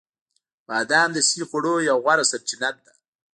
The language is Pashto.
بادام د صحي خوړو یوه غوره سرچینه ده.